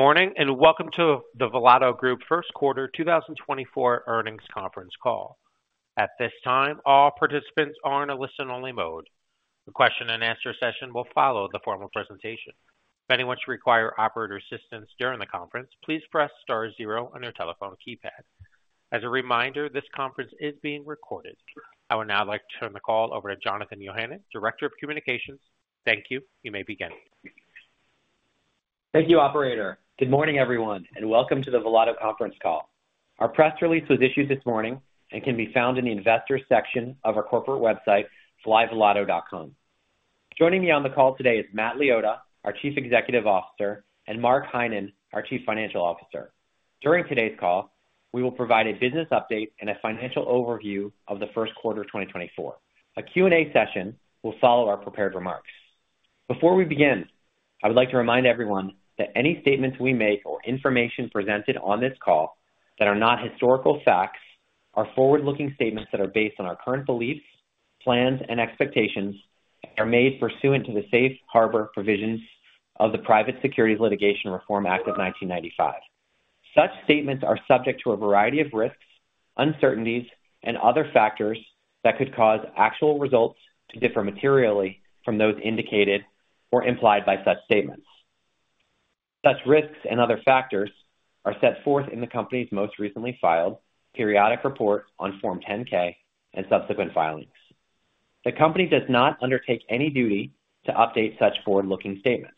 Morning, and welcome to the Volato Group First Quarter 2024 Earnings Conference Call. At this time, all participants are in a listen-only mode. The question and answer session will follow the formal presentation. If anyone should require operator assistance during the conference, please press star zero on your telephone keypad. As a reminder, this conference is being recorded. I would now like to turn the call over to Jonathan Yohannan, Director of Communications. Thank you. You may begin. Thank you, operator. Good morning, everyone, and welcome to the Volato conference call. Our press release was issued this morning and can be found in the Investors section of our corporate website, flyvolato.com. Joining me on the call today is Matt Liotta, our Chief Executive Officer, and Mark Heinen, our Chief Financial Officer. During today's call, we will provide a business update and a financial overview of the first quarter of 2024. A Q&A session will follow our prepared remarks. Before we begin, I would like to remind everyone that any statements we make or information presented on this call that are not historical facts are forward-looking statements that are based on our current beliefs, plans, and expectations and are made pursuant to the Safe Harbor Provisions of the Private Securities Litigation Reform Act of 1995. Such statements are subject to a variety of risks, uncertainties, and other factors that could cause actual results to differ materially from those indicated or implied by such statements. Such risks and other factors are set forth in the company's most recently filed periodic report on Form 10-K and subsequent filings. The company does not undertake any duty to update such forward-looking statements.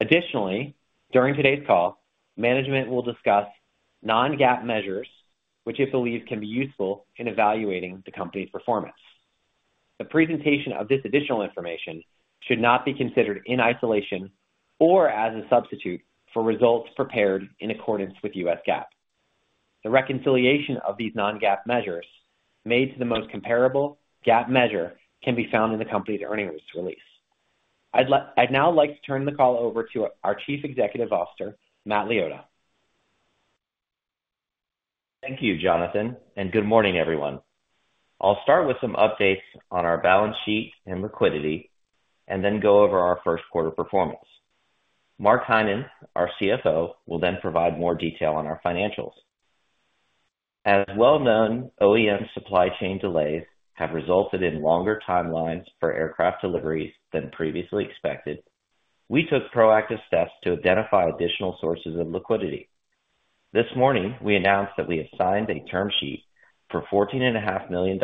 Additionally, during today's call, management will discuss non-GAAP measures, which it believes can be useful in evaluating the company's performance. The presentation of this additional information should not be considered in isolation or as a substitute for results prepared in accordance with US GAAP. The reconciliation of these non-GAAP measures made to the most comparable GAAP measure can be found in the company's earnings release. I'd now like to turn the call over to our Chief Executive Officer, Matt Liotta. Thank you, Jonathan, and good morning, everyone. I'll start with some updates on our balance sheet and liquidity and then go over our first quarter performance. Mark Heinen, our CFO, will then provide more detail on our financials. As well-known OEM supply chain delays have resulted in longer timelines for aircraft deliveries than previously expected, we took proactive steps to identify additional sources of liquidity. This morning, we announced that we have signed a term sheet for $14.5 million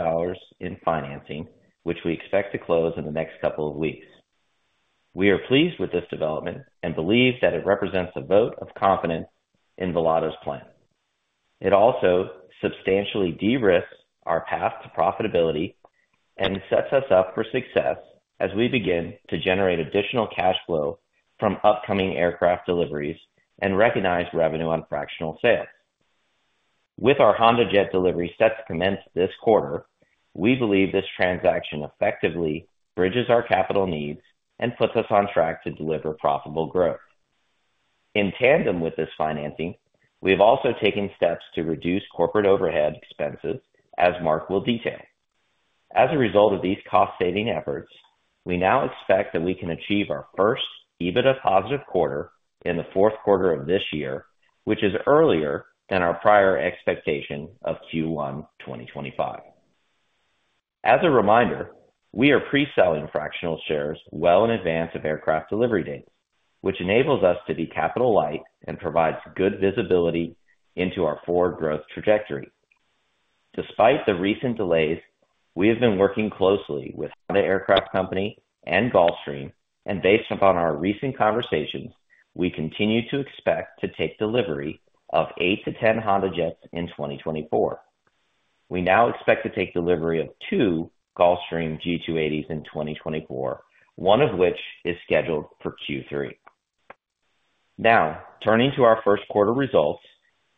in financing, which we expect to close in the next couple of weeks. We are pleased with this development and believe that it represents a vote of confidence in Volato's plan. It also substantially de-risks our path to profitability and sets us up for success as we begin to generate additional cash flow from upcoming aircraft deliveries and recognize revenue on fractional sales. With our HondaJet delivery set to commence this quarter, we believe this transaction effectively bridges our capital needs and puts us on track to deliver profitable growth. In tandem with this financing, we have also taken steps to reduce corporate overhead expenses, as Mark will detail. As a result of these cost-saving efforts, we now expect that we can achieve our first EBITDA positive quarter in the fourth quarter of this year, which is earlier than our prior expectation of Q1 2025. As a reminder, we are pre-selling fractional shares well in advance of aircraft delivery dates, which enables us to be capital light and provides good visibility into our forward growth trajectory. Despite the recent delays, we have been working closely with the aircraft company and Gulfstream, and based upon our recent conversations, we continue to expect to take delivery of eight-10 HondaJets in 2024. We now expect to take delivery of two Gulfstream G280s in 2024, one of which is scheduled for Q3. Now, turning to our first quarter results,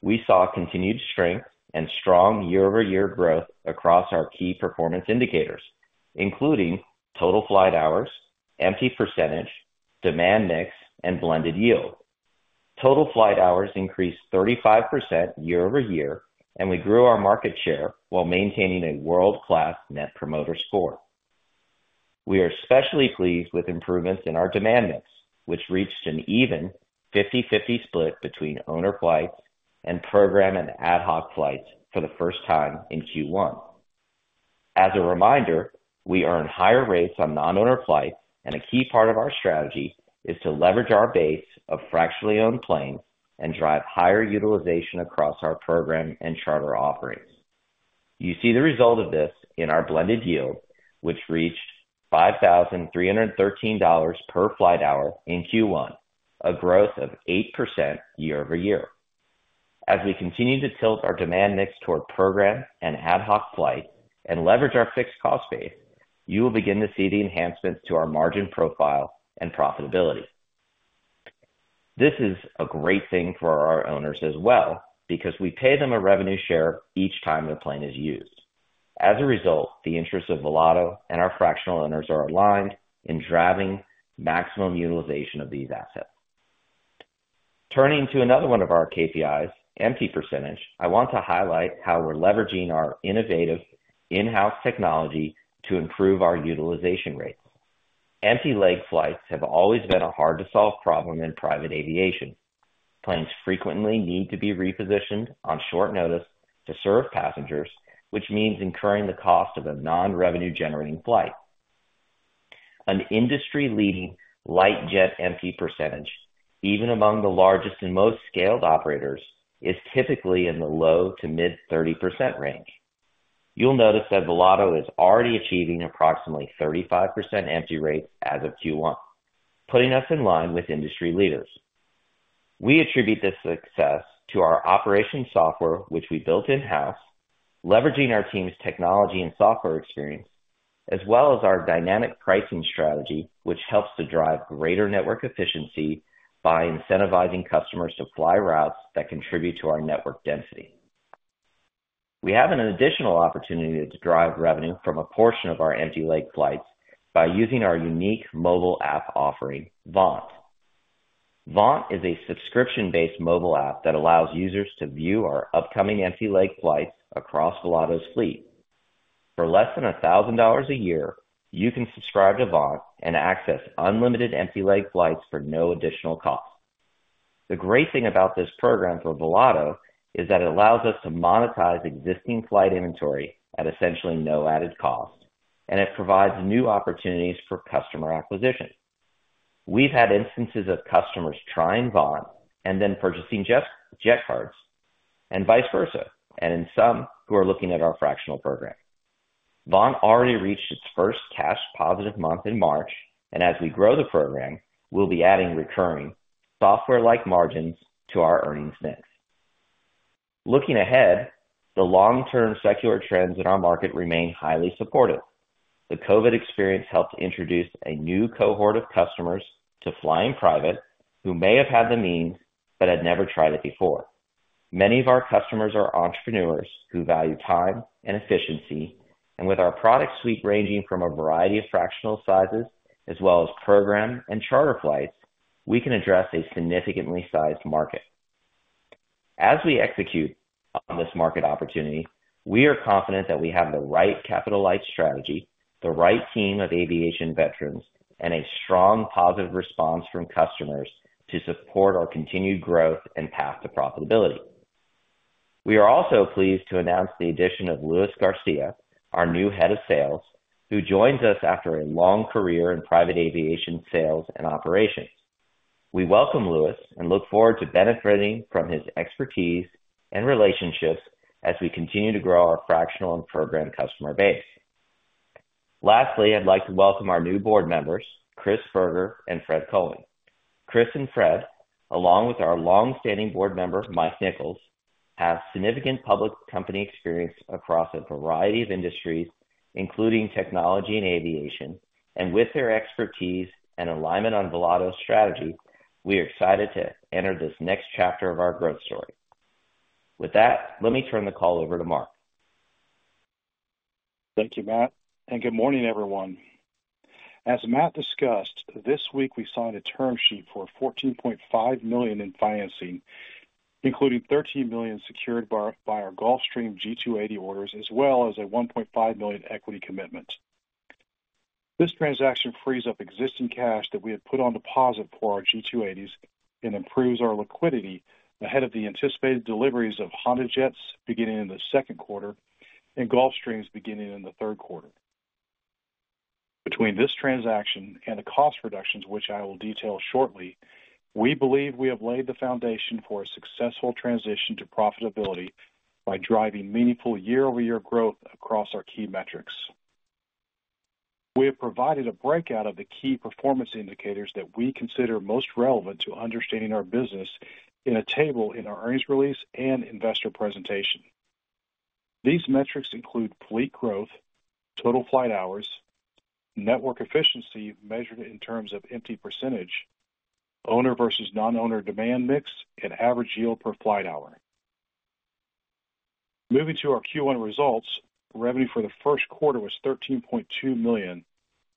we saw continued strength and strong year-over-year growth across our key performance indicators, including total flight hours, empty percentage, demand mix, and blended yield. Total flight hours increased 35% year-over-year, and we grew our market share while maintaining a world-class Net Promoter Score. We are especially pleased with improvements in our demand mix, which reached an even 50/50 split between owner flights and program and ad hoc flights for the first time in Q1. As a reminder, we earn higher rates on non-owner flights, and a key part of our strategy is to leverage our base of fractionally owned planes and drive higher utilization across our program and charter offerings. You see the result of this in our blended yield, which reached $5,313 per flight hour in Q1, a growth of 8% year-over-year. As we continue to tilt our demand mix toward program and ad hoc flight and leverage our fixed cost base, you will begin to see the enhancements to our margin profile and profitability. This is a great thing for our owners as well, because we pay them a revenue share each time their plane is used. As a result, the interests of Volato and our fractional owners are aligned in driving maximum utilization of these assets. Turning to another one of our KPIs, empty percentage, I want to highlight how we're leveraging our innovative in-house technology to improve our utilization rates. Empty leg flights have always been a hard-to-solve problem in private aviation. Planes frequently need to be repositioned on short notice to serve passengers, which means incurring the cost of a non-revenue generating flight. An industry-leading light jet empty percentage, even among the largest and most scaled operators, is typically in the low- to mid-30% range. You'll notice that Volato is already achieving approximately 35% empty rates as of Q1, putting us in line with industry leaders. We attribute this success to our operation software, which we built in-house, leveraging our team's technology and software experience, as well as our dynamic pricing strategy, which helps to drive greater network efficiency by incentivizing customers to fly routes that contribute to our network density. We have an additional opportunity to drive revenue from a portion of our empty leg flights by using our unique mobile app offering, Vaunt. Vaunt is a subscription-based mobile app that allows users to view our upcoming empty leg flights across Volato's fleet. For less than $1,000 a year, you can subscribe to Vaunt and access unlimited empty leg flights for no additional cost. The great thing about this program for Volato is that it allows us to monetize existing flight inventory at essentially no added cost, and it provides new opportunities for customer acquisition. We've had instances of customers trying Vaunt and then purchasing jet, jet cards and vice versa, and in some who are looking at our fractional program. Vaunt already reached its first cash positive month in March, and as we grow the program, we'll be adding recurring software-like margins to our earnings mix. Looking ahead, the long-term secular trends in our market remain highly supportive. The COVID experience helped introduce a new cohort of customers to flying private, who may have had the means but had never tried it before. Many of our customers are entrepreneurs who value time and efficiency, and with our product suite ranging from a variety of fractional sizes as well as program and charter flights, we can address a significantly sized market. As we execute on this market opportunity, we are confident that we have the right capital light strategy, the right team of aviation veterans, and a strong positive response from customers to support our continued growth and path to profitability. We are also pleased to announce the addition of Luis Garcia, our new head of sales, who joins us after a long career in private aviation, sales, and operations. We welcome Luis and look forward to benefiting from his expertise and relationships as we continue to grow our fractional and program customer base. Lastly, I'd like to welcome our new board members, Chris Burger and Fred Colen. Chris and Fred, along with our long-standing board member, Mike Nichols, have significant public company experience across a variety of industries, including technology and aviation, and with their expertise and alignment on Volato's strategy, we are excited to enter this next chapter of our growth story. With that, let me turn the call over to Mark. Thank you, Matt, and good morning, everyone. As Matt discussed, this week we signed a term sheet for $14.5 million in financing, including $13 million secured by our Gulfstream G280 orders, as well as a $1.5 million equity commitment. This transaction frees up existing cash that we had put on deposit for our G280s and improves our liquidity ahead of the anticipated deliveries of HondaJets beginning in the second quarter and Gulfstreams beginning in the third quarter. Between this transaction and the cost reductions, which I will detail shortly, we believe we have laid the foundation for a successful transition to profitability by driving meaningful year-over-year growth across our key metrics. We have provided a breakout of the key performance indicators that we consider most relevant to understanding our business in a table in our earnings release and investor presentation. These metrics include fleet growth, total flight hours, network efficiency measured in terms of empty percentage, owner versus non-owner demand mix, and average yield per flight hour. Moving to our Q1 results, revenue for the first quarter was $13.2 million,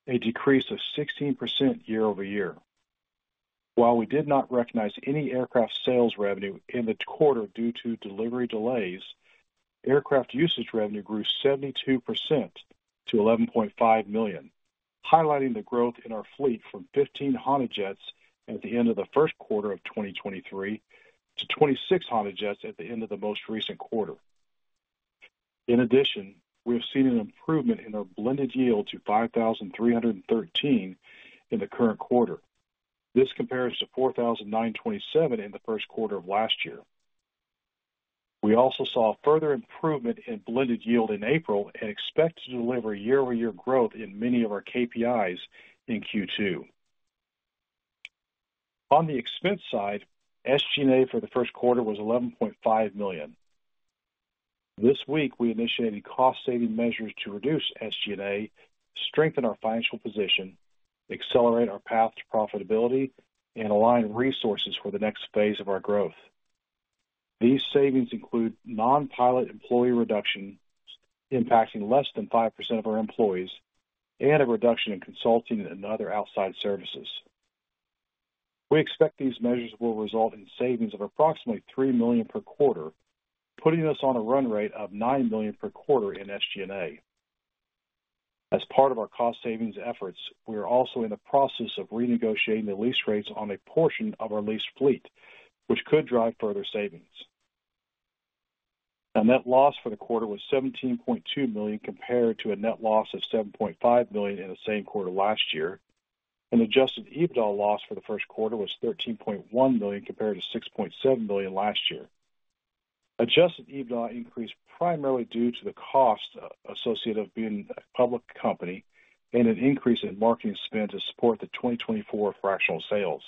a decrease of 16% year-over-year. While we did not recognize any aircraft sales revenue in the quarter due to delivery delays, aircraft usage revenue grew 72% to $11.5 million, highlighting the growth in our fleet from 15 HondaJets at the end of the first quarter of 2023 to 26 HondaJets at the end of the most recent quarter. In addition, we have seen an improvement in our blended yield to $5,313 in the current quarter. This compares to $4,927 in the first quarter of last year. We also saw a further improvement in blended yield in April and expect to deliver year-over-year growth in many of our KPIs in Q2. On the expense side, SG&A for the first quarter was $11.5 million. This week, we initiated cost-saving measures to reduce SG&A, strengthen our financial position, accelerate our path to profitability, and align resources for the next phase of our growth. These savings include non-pilot employee reduction, impacting less than 5% of our employees, and a reduction in consulting and other outside services. We expect these measures will result in savings of approximately $3 million per quarter, putting us on a run rate of $9 million per quarter in SG&A. As part of our cost savings efforts, we are also in the process of renegotiating the lease rates on a portion of our leased fleet, which could drive further savings. Our net loss for the quarter was $17.2 million, compared to a net loss of $7.5 million in the same quarter last year, and adjusted EBITDA loss for the first quarter was $13.1 million, compared to $6.7 million last year. Adjusted EBITDA increased primarily due to the cost associated with being a public company and an increase in marketing spend to support the 2024 fractional sales.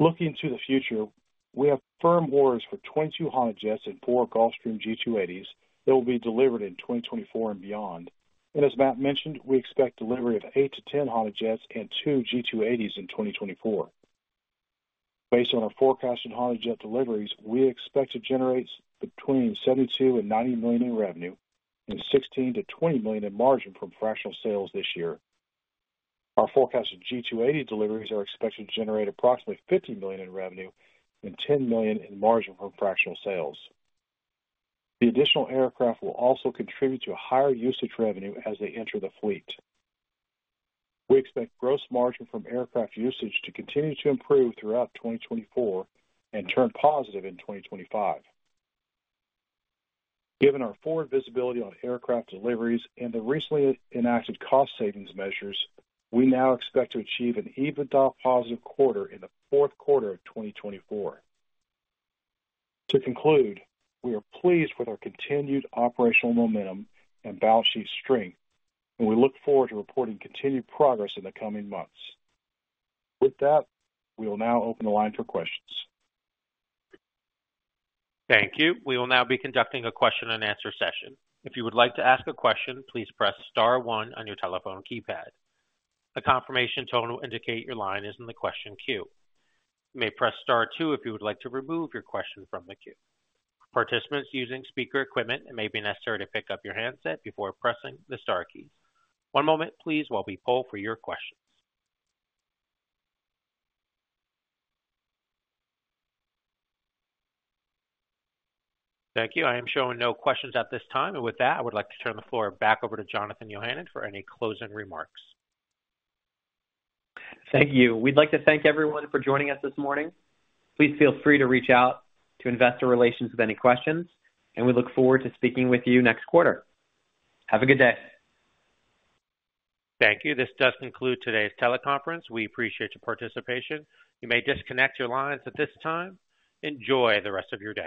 Looking to the future, we have firm orders for 22 HondaJets and 4 Gulfstream G280s that will be delivered in 2024 and beyond. As Matt mentioned, we expect delivery of 8-10 HondaJets and 2 G280s in 2024. Based on our forecast in HondaJet deliveries, we expect to generate between $72 million and $90 million in revenue and $16 million-$20 million in margin from fractional sales this year. Our forecast of G280 deliveries are expected to generate approximately $50 million in revenue and $10 million in margin from fractional sales. The additional aircraft will also contribute to a higher usage revenue as they enter the fleet. We expect gross margin from aircraft usage to continue to improve throughout 2024 and turn positive in 2025. Given our forward visibility on aircraft deliveries and the recently enacted cost savings measures, we now expect to achieve an EBITDA positive quarter in the fourth quarter of 2024. To conclude, we are pleased with our continued operational momentum and balance sheet strength, and we look forward to reporting continued progress in the coming months. With that, we will now open the line for questions. Thank you. We will now be conducting a question-and-answer session. If you would like to ask a question, please press star one on your telephone keypad. A confirmation tone will indicate your line is in the question queue. You may press star two if you would like to remove your question from the queue. Participants using speaker equipment, it may be necessary to pick up your handset before pressing the star keys. One moment, please, while we poll for your questions. Thank you. I am showing no questions at this time, and with that, I would like to turn the floor back over to Jonathan Yohannan for any closing remarks. Thank you. We'd like to thank everyone for joining us this morning. Please feel free to reach out to investor relations with any questions, and we look forward to speaking with you next quarter. Have a good day. Thank you. This does conclude today's teleconference. We appreciate your participation. You may disconnect your lines at this time. Enjoy the rest of your day.